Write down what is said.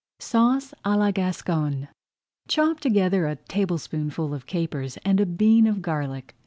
SAUCE À LA GASCONNE Chop together a tablespoonful of capers and a bean of garlic.